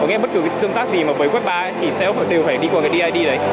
có nghĩa là bất cứ tương tác gì mà với web ba thì sales đều phải đi qua cái did đấy